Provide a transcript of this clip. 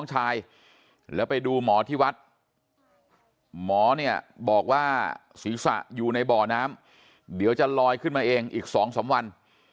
หมอเนี่ยบอกว่าศีรษะอยู่ในบ่อน้ำเดี๋ยวจะลอยขึ้นมาเองอีกสองสามวัน